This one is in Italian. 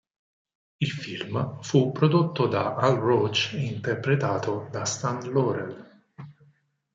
Il film fu prodotto da Hal Roach e interpretato da Stan Laurel.